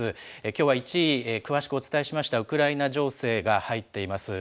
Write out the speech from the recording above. きょうは１位、詳しくお伝えしました、ウクライナ情勢が入っています。